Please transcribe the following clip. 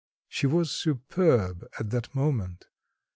She was superb at that moment.